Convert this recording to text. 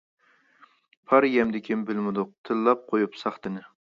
پار يەمدىكىن بىلمىدۇق، تىللاپ قويۇپ ساختىنى.